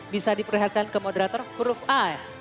bisa diperlihatkan ke moderator huruf a